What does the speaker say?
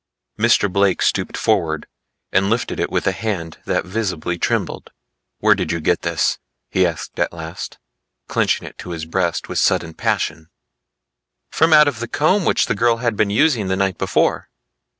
Mr. Blake stooped forward and lifted it with a hand that visibly trembled. "Where did you get this?" asked he at last, clenching it to his breast with sudden passion. "From out of the comb which the girl had been using the night before."